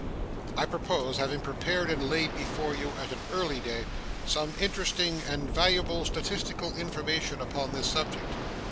I purpose having prepared and laid before you at an early day some interesting and valuable statistical information upon this subject.